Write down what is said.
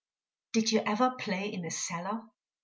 Did you ever play in a cellar?